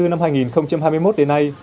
năm hai nghìn hai mươi một đến nay